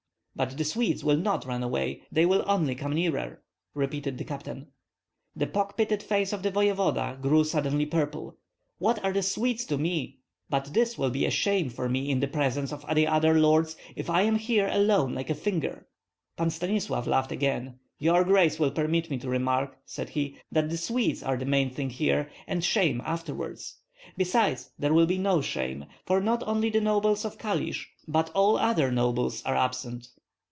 "But the Swedes will not run away, they will only come nearer," repeated the captain. The pock pitted face of the voevoda grew suddenly purple. "What are the Swedes to me? But this will be a shame for me in the presence of the other lords if I am here alone like a finger." Pan Stanislav laughed again: "Your grace will permit me to remark," said he, "that the Swedes are the main thing here, and shame afterward. Besides, there will be no shame; for not only the nobles of Kalisk, but all other nobles, are absent."